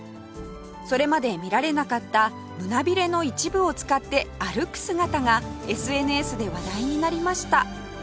それまで見られなかった胸ビレの一部を使って歩く姿が ＳＮＳ で話題になりました